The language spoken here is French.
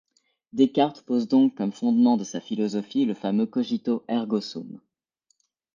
Descartes pose donc comme fondement de sa philosophie le fameux cogito ergo sum.